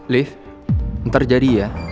liv ntar jadi ya